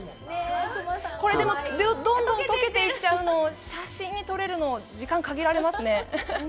これ、でもどんどん溶けていっちゃうの写真に撮れるの、時間が限られますね。